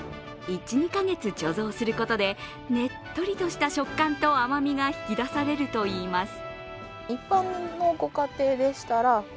１２か月貯蔵することでねっとりとした食感と甘味が引き出されるといいます。